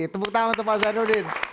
tepuk tangan untuk pak zainuddin